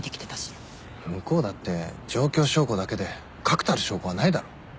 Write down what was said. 向こうだって状況証拠だけで確たる証拠はないだろ。